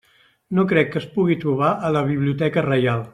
No crec que es pugui trobar a la Biblioteca Reial.